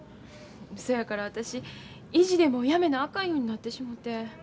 そやから私意地でもやめなあかんようになってしもて。